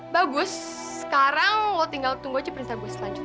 bagus sekarang mau tinggal tunggu aja perintah gue selanjutnya